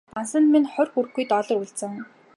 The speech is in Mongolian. Дансанд маань хорь хүрэхгүй доллар үлдсэн.